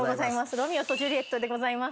『ロミオとジュリエット』でございます。